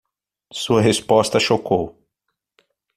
Sua resposta a chocou